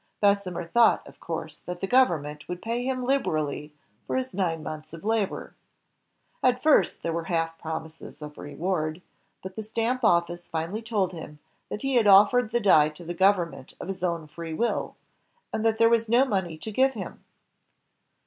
Bessemer thought, of course, that the government would pay him liberally for his nine months of labor. At first there were half promises of reward, but the Stamp Ofl&ce finally told him that he had offered the die to the govern ment of his own free will, and that there was no money to give him.